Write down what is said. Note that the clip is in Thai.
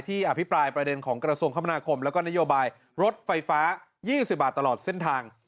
อภิปรายประเด็นของกระทรวงคมนาคมแล้วก็นโยบายรถไฟฟ้า๒๐บาทตลอดเส้นทาง